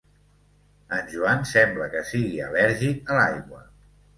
En Joan sembla que sigui al·lèrgic a l'aigua!